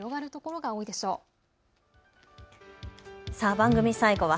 番組最後は＃